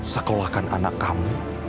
sekolahkan anak kamu